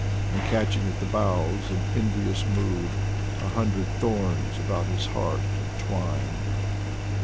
And catching at the boughs in envious mood, A hundred thorns about his heart entwined.